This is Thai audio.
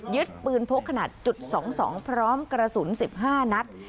ยึดปืนโพกขนาด๒๒พร้อมกระสุน๑๕นัท